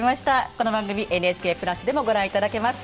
この番組ＮＨＫプラスでもご覧いただけます。